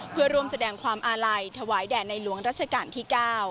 เพื่อร่วมแสดงความอาลัยถวายแด่ในหลวงรัชกาลที่๙